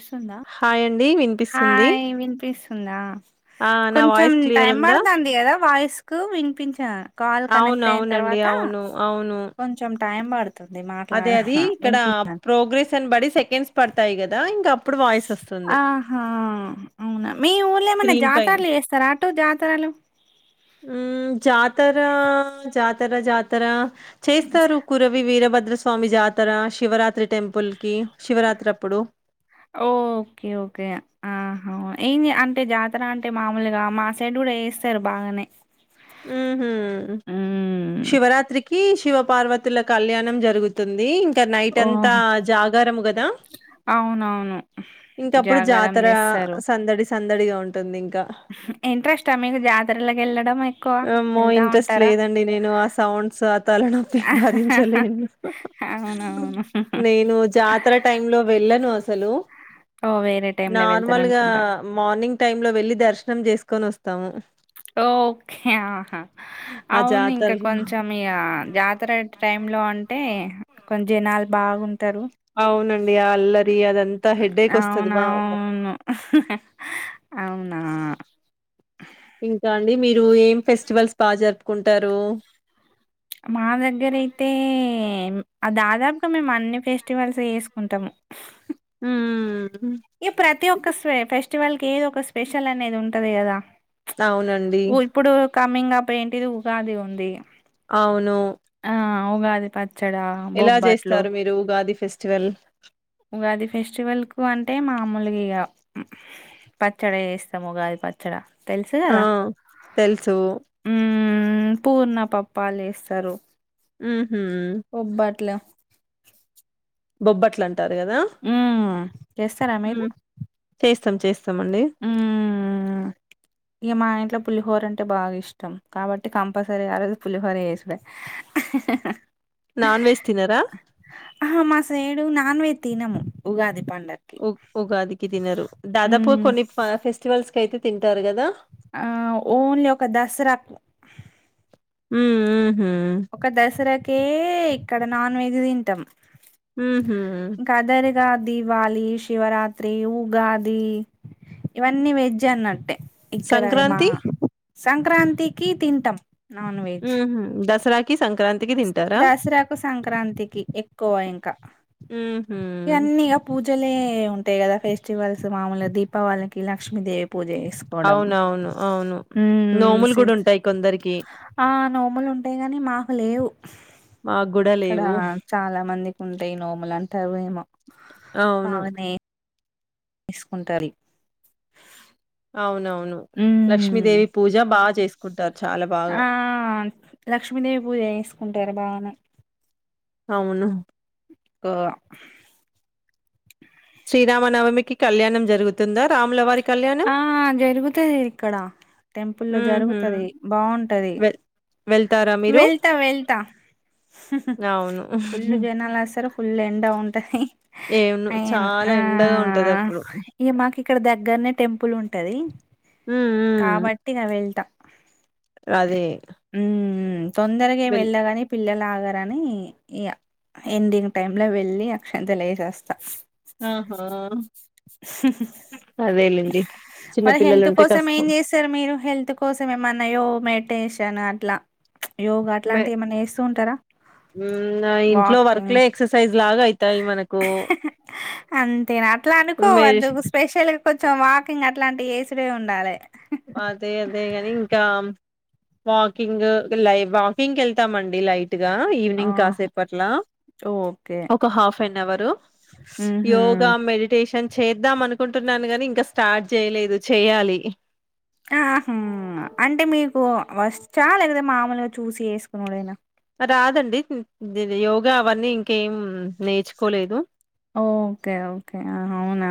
వస్తుందా హాయ్ండి వినిపిస్తుంది ఉన్నా ఆ నా కొంచెం వాయిస్ క్లియర్ టైం ఉందా? పడుతాంది కదా వాయిస్ కు వినిపించా కాల్ అవును కనెక్ట్ అయిన అవునండి తర్వాత అవును అవును. కొంచెం టైం పడుతుంది అదే మాట్లాడ అది ఇక్కడ వినిపించ ప్రోగ్రెస్ అని బడి సెకండ్స్ పడుతు ఉంటాయి కదా ఇంకా ఆహా అవునా మీ ఊర్లో ఏమన్నా స్క్రీన్ పైన జాతరల్ చేస్తారా ఎటో జాతరలు ఉ జాతర జాతర జాతర జ- చేస్తారు కురవి వీరభద్ర స్వామి జాతర శివరాత్రి టెంపుల్‌కి శివరాత్రి అప్పుడు ఓకే ఓకే ఆహా ఏం అంటే జాతర అంటే మామూలుగా మా సైడ్ కూడా వేస్తారు బాగానే ఊహు ఉమ్ శివరాత్రికి శివ పార్వతుల కళ్యాణం జరుగుతుంది ఇంకా నైట్ అంతా ఓహో జాగారం కదా అవునవును ఇంక అప్పుడు జాగారం జాతర చేస్తారు సందడిస్త సందడిగా ఉంటుంది ఇంకా ఇంట్రెస్టా మీకు జాతరలకి వెళ్ళడం ఎక్కువ ఏమో వెళ్తా ఇంట్రెస్ట్ ఉంటారా లేదండి నేను ఆ సౌండ్స్ ఆ తలనొప్పి భరించలేను అవునవును నేను జాతర టైమ్ లో వెళ్ళను అస్ హలో ఓ వేరే టైంలో వెళ్తారు నార్మల్ గా అనుకుంటా మార్నింగ్ టైమ్ లో వెళ్లి దర్శనం దర్శనం చేసుకొని వస్తాము ఓ కే ఆహా ఆ అవును ఇంకా జాతరలో కొంచెం ఇక జాతర టైం లో అంటే కొంచెం జనాలు బాగుంటారు అవునండి ఆ అల్లరి అదంతా హెడేక్ వస్తది బాగా అవునవును అవునా ఇంకా. అండి మీరు ఏం ఫెస్టివల్స్ బాగా జరుపుకుంటారు మా దగ్గరయితే మ్ ఆ దాదాపుగా మేము అన్ని ఫెస్టివల్స్ చేసుకుంటము హ్మ్ ఈ ప్రతి ఒక్క స్వే ఫేస్ ఫెస్టివల్ కి ఏదో ఒక స్పెషల్ అనేది ఉంటంది కదా అవునండి ఉ ఇప్పుడు కమింగ్ అప్ ఏంటిది ఉగాది ఉంది అవును ఆ ఉగాది పచ్చ ఎలా చేస్తారు మీరు Ugadi fest festival Ugadi festival కు అంటే మామూలుగా పచ్చడి చేస్తాము ఉగాది పచ్చడి ఆ తెలుసు ఊ పూర్ణపప్పాలు వేస్తారు ఊహూ బొబ్బట్ల అం ఉ చేస్తారా మీరు సం చేస్ స్తమండి మ్మ్ ఇగ మా ఇంట్లో పులిహోర అంటే బాగ్ ఇష్టం కాబట్టి కంపల్సరీ ఆ రోజు పులిహోర చేసుడే నాన్ వెజ్ తినరా? ఆహా మాసైడు నాన్ వెజ్ తీనము ఉగాది పండక్కి ఉ ఉగాదికి తినరు దాదాపు ఉమ్ కొన్ని ఫ ఫెస్టివల్స్ కైతే తింటారు కదా ఆ ఓన్లీ ఒక దసరా హ్మ్ మ్మ్ ఒక దసరా ఓకే ఇక్కడ నాన్ వెజ్ తింటం ఊహూ గా దివాళి, శివరాత్రి, ఉగాది ఇవన్నీ వెజ్ అన్నట్టే ఇక్కడ ఏమా సంక్రాంతి సంక్రాంతికి తింటాం హ్మ్ దసరా దసరా కు సంక్రాంతికి ఎ కోయింగ్ ఉహూ ఎన్నిగా పూజ పూజలే ఉంటాయి కదా ఫెస్టివల్స్ మామూలుగా దీపావళికి లక్ష్మీదేవి అవునవును అవును నోములు కూడా ఉంటాయి కొందరికి ఆ నోములు ఉంటాయి గాని మాకు లేవు మాకు కూడా ఇక్కడ లేవు చాలా మందికి ఉంటాయి నోములు అన్ తవే అవును. పవునే తీసుకుంటారు అవునవు ను లక్ష్మీదేవి పూజ బా చేసు ఆ లక్ష్మీదేవి పూజ చేసుకుంటారు బానే అవును ఆ శ్రీరామనవమికి కళ్యాణం జరుగుతుందా? రాములవారి కళ్యాణం? ఆ జరుగుతది ఇక్కడ టెంపుల్ల్లో హుహు. జరుగుతది బావుంటది. వెల్ వెళ్తారా మీరు? వెళ్తా వెళ్తా అవును. ఫుల్ జనాలొస్తరు ఫుల్ ఎండ ఉం ట ఏవును చాలా ఎండగా ఉంటది అప్పుడు ఇగ మాకు ఇక్కడ దగ్గరనే టెంపుల్ ఉంటది హ్మ్. హ్మ్. కాబట్టి ఇగ వెళ్తా ఆ అదే ఉ తొందరగా ఏం వెల్ ఎళ్ళగని పిల్లలా తరని ఇగ ఎండింగ్ టైమ్ ల వెళ్లి అక్షింతలు లేసస్తా ఆహా అదేలెండి. చిన్న మరి హెల్త్ పిల్లలుంటే కోసం ఏం కష్టం. చేస్తారు మీరు హెల్త్ కోసం ఏమన్నాయో మే మెడిటేషన్ అట్లా యోగ మె అట్లాంటివి ఏమన్నా చేస్తూ ఉంటారా హ్మ్. ఆ ఇంట్లో వాకింగ్ వర్క్‌లే ఎక్సర్సైజ్ లాగా అయితాయి మనకు. అంతే నా అట్లా వద్దు మెడిష్ స్పెషల్ కొంచెం వాకింగ్ అట్లాంటి చేసుడే ఉండాలే అదే అదేగాని ఇంకా వాకింగు లై వాకింగ్ కేళ్తామండి లైట్ ట్గా ఆ ఈవినింగ్ కాసేపు అట్ల ఓకే ఒక ఆఫెనవరు యోగ మ్మ్హ్మ్. మెడిటేషన్ చేద్దామను కుంటున్నాను గని ఇంకా స్టార్ట్ చేయలేదు చేయాలి ఆహుమ్ అంటే మీకు వస్ చాలా కదా మామూలుగా చూసి చేసుకునుడేనా కాదండి దిది యోగా అవన్నీ ఇంకేం నేర్చుకోలేదు ఓకే ఓకే అవునా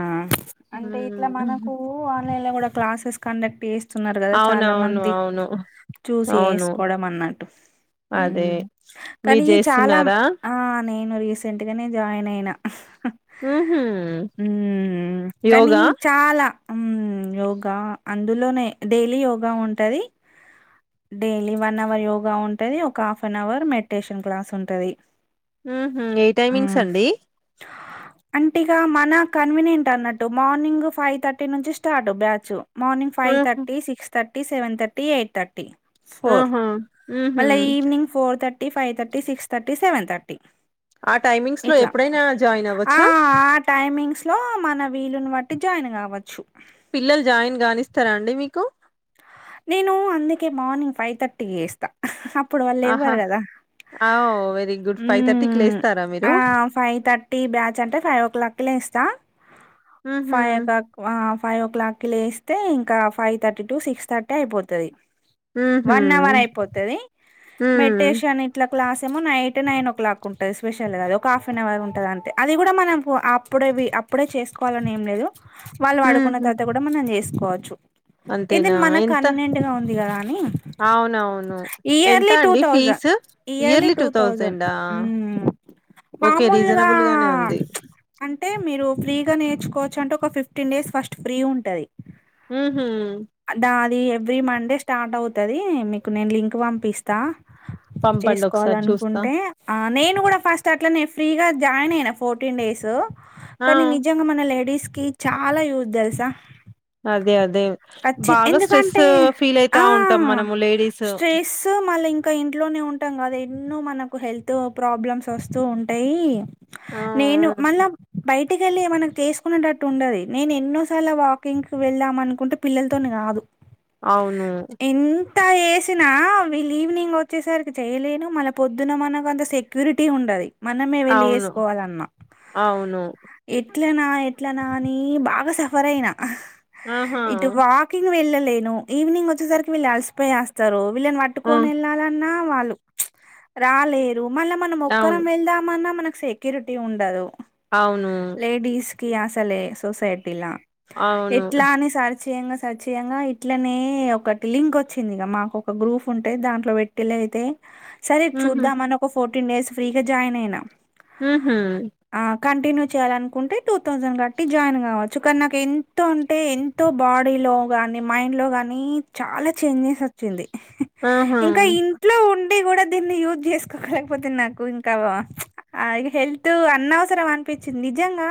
అంటే ఇట్లా మనకు మ్మ్ ఆన్లైన్ ల కూడా క్లాసేస్ కండక్ట్ చేస్ న్నారు కదా చాలా అవునవును మంది అవును చూసి అవును ఏసుకోవడం అన్నట్టు ఉ అదే మీరు కానీ చాలా చేస్తున్నారా ఆ నేను రీసెంట్ గానే జాయిన్ అయిన ఆహ ఉహు యోగా అం యోగా అందులోనే డైలీ యోగా ఉంటది డైలీ వన్ అవర్ యోగా ఉంటంది ఒక half an hour meditation class ఉంటది ఉహు ఏ టైమింగ్స్ హ్మ్ అండి అంటే ఇగ మన కన్వీనియంట్ అన్నట్టు మార్నింగ్ ఫైవ్ థర్టీ నుంచి స్టార్ట్ బ్యాచ్ మార్నింగ్ ఊహూ five thirty six thirty seven thirty eight thirty four ఆహా ఊహూ మళ్ళ evening four thirty five thirty six thirty seven thirty ఆ టైమింగ్స్ లో ఎప్పుడై ఆ ఆ టైమింగ్స్ లో మన వీలుని బట్టి జాయిన్ కావచ్చు పిల్లలు జాయిన్ గానిస్తారా అండి మీకు నేను అందుకే మార్నింగ్ ఫైవ్ థర్టీకి జేస్తా అప్పుడు వాళ్ళు ఆహా లెవ్వరు కదా ఆ ఓ వెరీ గుడ్ ఫైవ్ థర్టీకి హ్మ్ లేస్తారా మీరు ఆ ఫైవ్ థర్టీ బ్యాచ్ అంటే ఫైవ్ ఓ క్లాక్ కి లేస్త చ ఉహూ ఫైవ్ కా ఆ ఫైవ్ ఓ క్లాక్కి లేస్తే ఇంకా five thirty to six thirty అయిపోతది ఉహూ వన్ అవర్ అయిపోతది. ఉమ్ మెడిటేషన్ ఇట్లా క్లాసేమో నైట్ నైన్ ఓ క్లాక్ ఉం ఉంటది స్పెషల్గాది ఒక హాఫ్ అన్ అవర్ ఉంటది అంటే అది కూడా మనం అప్పుడది అప్పుడే చేసుకోవాలని ఏం లేదు వాళ్ళు పడుకున్న ఉహూ తర్వాత కూడా మనం చేసుకోవచ్చు చ్చు ఇది అంతేనా మనకు ఎంత కన్వీనియెంట్ గా ఉంది కదా అని అవునవును ఎంత ఇయర్లీ టూ అండి thousand fee yearly two thousand హ్మ్ ఓకే మామూలుగా రీజనబుల్ గానే ఉంది ప్చ్ అంటే మీరు ఫ్రీ ముందు గా నేర్చుకోవచ్చంటే ఒక ఫిఫ్టీన్ డేస్ ఫస్ట్ ఫ్రీ ఉంటది. ఉహూ అదా అది ఎవ్రీ మండే స్టార్ట్ అవుతది మీకు నేను లింక్ పంపిస్తా. పంపండి ఒకసారి చూస్తా చేసుకోవాలనుకుంటే ఆ నేను కూడా ఫస్ట్ అట్లానే ఫ్రీగా జాయిన్ అయినా ఫోర్టీన్ డేసు ఆ కానీ నిజంగా మన లేడీస్ కి చాలా యూజ్ తెలుసా అదే అదే బాగా స్ట్రెస్ ఎందుకంటే ఫీల్ అయితా ఆ ఉంటాం మనము లేడీస్ ఆ స్ట్రెస్ మళ్ళీ ఇంకా ఇంట్లోనే ఉంటాం గదా ఎన్నో మనకు హెల్త్ ప్రాబ్లమ్స్ వస్తూ ఉంటాయి ఆ నేను మళ్ళా బయట మనకు చేసుకునే టట్టు ఉండది నేను ఎన్నో సార్లు వాకింగ్ వెళ్ళానుకుంటే పిల్లలతోని కాదు అవును ఇంత ఏసినా వీళ్ళు ఈవినింగ్ వచ్చేసరికి చేయలేను మళ్ళ పొద్దున మనకు అంత సెక్యూరిటీ ఉండది మనమే వెళ్ళి అవును ఏసుకోవాలన్నా అవును ఎట్లనా ఎట్లనా అని బాగా సఫర్ అయినా ఆహా ఇటు వాకింగ్ వెళ్ళల్ లేను ఈవినింగ్ వచ్చేసరికి వీళ్ళు అలిసిపోయి వస్తరు వీళ్ళని ఆ పట్టుకొని వెళ్ళాలన్నా వాళ్ళు రాలే దు మళ్ళ మనం అవును. ఒక్కరం వెళ్దామన్నా మన సెక్యూరిటీ ఉండదు అవును కి అస్సలే సొసైటీలా అవును. ఎట్లానే సార్ సర్చ్ చేయ్యంగా సర్చ్ చేయ్యంగా ఇట్లనే ఒకటి లింక్ వచ్చింది ఇక మాకు ఒక గ్రూప్ ఉంటే దాంట్లో పెట్టటిలు అయితే, సరే హుహు. చూదాం మనీ ఒక ఫోటో టెన్ డేస్ స్ ఫ్రీగా జాయిన్ అయినా ఉహు ఆ కంటిన్యూ చేయాలనుకుంటే టూ థౌసండ్ కట్టి జాయిన్ కావచ్చు కానీ నాకు ఎంతో అంటే ఎంతో బాడీ లో గాని మైండ్ లో గాని చాలా చేంజెస్ వచ్చింది, ఆహా! ఇంకా ఇంట్లో ఉం కూడా దీన్ని యూజ్ చేసుకోలేకపోతుంది నాకు ఇంకా హెల్త్ అన్నవసరం అ అనిపిచింది నిజంగా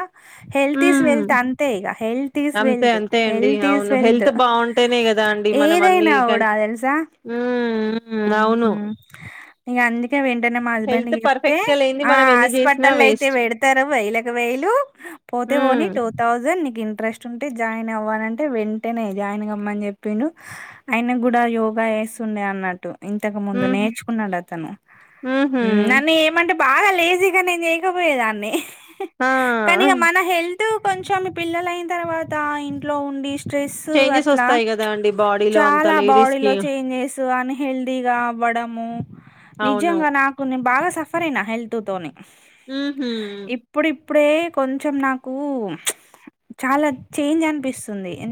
హెల్త్ ఇస్ హ్మ్. వెల్త్ అంతే ఇగా హెల్త్ ఈస్ అంతే వెల్త్ అంతే అండి. హెల్త్ ఈస్ అవును. వెల్త్ హెల్త్ బావుంటేనే గదా అండి మనం అన్నీ ఏదైనా కన్ కూడా తెలుసా హ్మ్. హ్మ్. అవును. ఉహు ఇగా అందుకే వెంటనే మా హస్బెండ్ హెల్త్ కి చెప్తే పర్ఫెక్ట్‌గా లేనిది ఆ మనం ఎన్ని జేసినా హాస్పిటల్ అయితే వేస్ట్. పెడతారు వెయ్యిలకు వేయిలు పోతే పోని హ్మ్. టూ తాహుసేండ్ నీకు ఇంట్రెస్ట్ ఉంటే జాయిన్ అవ్వు అంటే వెంటేనే జాయిన్ కామ్మని చెప్పిండు ఆయన కూడా యోగా ఎస్ ఉండే అన్నట్టు ఇంతకు ముందు హుహు. నేర్చుకున్నాడు అతను హుహు. నన్ను చేయమంటే బాగా లేజీగా నేను చేయకపోయేదాన్ని ఆ! కానీ ఇగా మన హె కొంచెం పిల్లల అయిన తర్వాత ఇంట్లో ఉండి స్ట్రెస్ చేంజెస్ అట్లా ఒస్తాయి గదా అండి బాడీలో అంతా చాలా బాడీ లేడీస్‌కి. లో చేంజెస్ అన్ హెల్తీగా అవ్వడము అవును. నిజంగా నాకు బాగా సఫర్ అయినా హెల్త్ తోని ఉ ఇప్పుడు ఇపు ఇప్పుడే కొంచెం నాకు చాలా చేంజ్ అనిపిస్తుంది ఎ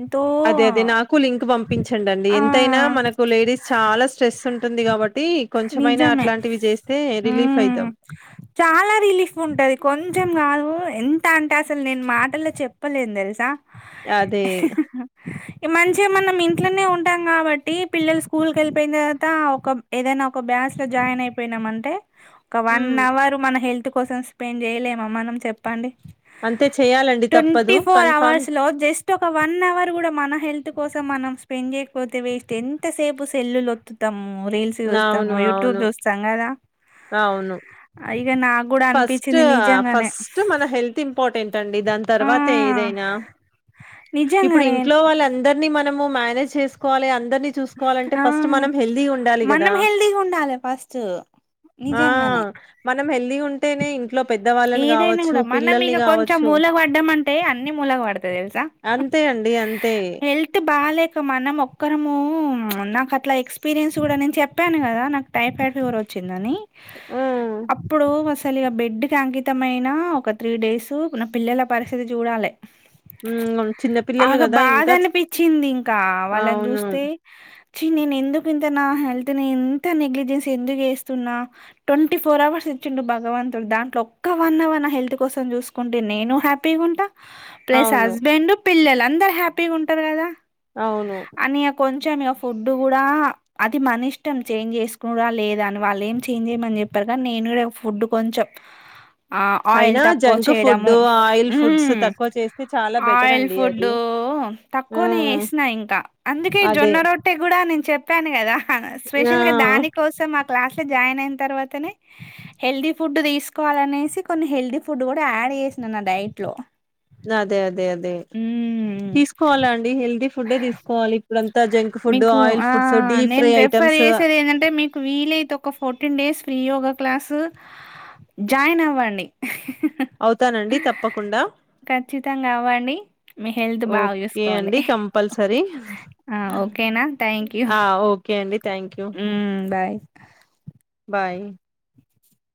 అదే అదే నాకు లింక్ పంపించంండి ఆ ఎంతైనా మనకు లేడీస్ చాలా స్ట్రెస్ ఉంట నిజమే చేస్తే రిలీఫ్ అయితాం. చాలా హు రిలీఫ్ ఉంటది కొంచెం కాదు ఎంత అంటే అసలు నేను మాటల్లో చెప్పలేను తెలుసా అదే మంచిగా మనం ఇంట్లోనే ఉంటాం. కాబట్టి పిల్లలు స్కూల్ కి వెళ్పోయినా తర్వాత అంత ఒక ఏదైనా ఒక బ్యాచ్ లో జాయిన్ అయిపోయినామ అంటే ఒక వన్ హ్మ్. అవర్ మన హెల్త్ కోసం స్పెండ్ చేయలేమ మనం చెప్పండి. అంతే చేయాలండి తప్పదు ట్వంటీ ఫోర్ కన్ఫామ్ అవర్స్ లో జస్ట్ ఒక వన్ అవర్ కూడా మన హెల్త్ కోసం మనం స్పెండ్ చేయకపోతే వేస్ట్ ఎంతసేపు సెల్లులు వత్తు తమ్ రీల్స్ చూస్తాము. అవును. యూట్యూబ్ అవును. చూస్తాం. కదా అవును ఇక నాకు కూడా ఫస్ట్ అనిపించింది నిజంగానే ఫస్ట్ మన హెల్త్ ఇంపార్టెంట్ అండి. దాని ఆ తర్వాత ఏదైనా ఇప్పుడు నిజంగానే ఇంట్లో వాళ్ళందరినీ మనము మానేజ్ చేసుకోవాలి. అ అందరిని చూసుకోవాలంటే ఆ ఫస్ట్ మనం హెల్దీ గా ఉండాలి. కదా మనం హెల్తీగా ఉండాలి ఫస్ట్ ఆ నిజంగానే మనం హెల్దీ ఉ అంటేనే ఏదైనా కూడా మనం ఇగా కొంచెం గావచ్చు మూలగ పడ్డాం. అంటే అన్ని మూలగ పడతాయ్ తెలుసా అంతే అండి అంతే హెల్త్ బాలేక మనం ఒక్కరము నాకు అట్లా ఎక్స్పీరియన్స్ కూడా నేను చెప్పాను. కదా నాకు టైఫాయిడ్ ఫీవర్ వచ్చిందని హ్మ్ అప్పుడు ఫస్ట్ సరీగా బెడ్ అంకితమైననా ఒక త్రీ డేస్ నా పిల్లల పరిస్థితి చూడాలి. హ్మ్ చిన్నపిల్లలు ఆగా కదా బాధ ఇంకా చ్ అనిపించింది. ఇంకా వాళ్ళని అవును చూస్తే చ్చి నేను ఎందుకు ఇంత నా హెల్త్ని ఎంత నెగ్లిజెన్స్ ఎందుకు వేస్తున్నా ట్వంటీ ఫోర్ అవర్స్ ఇచ్చిండు. భగవంతుడు దా ఒక్క వన్ అవర్ నా హెల్త్ కోసం చూసుకుంటే నేను హ్యాపీగా ఉంటా ప్లస్ అవును హస్బెండ్, పిల్లలు అందరు హ్యాపీగా ఉంటారు. కదా అవును అని ఇగ కొంచెం ఫుడ్ కూడా అది మన ఇష్టం చేంజ్ చేసుకు లేదా అని వాళ్ళు ఏం చేంజ్ చేయమని చెప్పారు. కానీ నేను కూడా ఫుడ్ కొంచెం ఆ ఆయిల్ అయినా తక్కువ జంక్ ఫుడ్ చేయడము. ఆయిల్ ఫుడ్స్ తక్కువ చేస్తే చాలా బెటర్ ఆయిల్ అండి అది ఫుడ్డు ఆ తక్కువ నే వేసినా ఇంకా అందుకే అదే జొన్న రొట్టె కూడా నేను చెప్ చేప్పాను. కదా ఆ స్పెషల్ గా దాని కోసం క్లాస్ లో జాయిన్ అయిన తర్వాతనే హెల్దీ ఫుడ్ తీస్ తీసుకోవాలినేసి కొన్ని హెల్దీ ఫుడ్ కూడా యాడ్ చేసినను నా డైట్ లో అదే అదే అదే అే మ్మ్ తీసుకోవాలండి. హెల్దీ ఫుడయే తీసుకోవాలి. ఇప్పుడంతా జంక్ ఫుడ్ మీకు ఆయిల్ ఆ ఫుడ్స్ డీప్ నేను ఫ్రై రెఫర్ ఐటమ్స్ చేసేది ఏంటంటే మీకు వీలైతే ఒక fourteen days free yoga class join అవ్వండి. అవుతానండి తప్పకుండా ఖచ్చితంగా అవ్వండి. మీ హెల్త్ బాగ చూసుకోండి. పల్సరీ ఆ ఆ ఒకే ఉమ్ బాయ్. బాయ్.